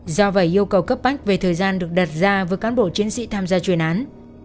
do vậy yêu cầu cấp bách về thời gian được đặt ra với cán bộ chiến sĩ tham gia chuyên án